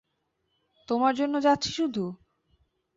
তোমার জন্য যাচ্ছি শুধু?